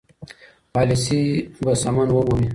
پالیسي به سمون ومومي.